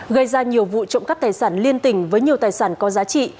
gây ra nhiều vụ trộm cắt tài sản liên tình với nhiều tài sản có giá trị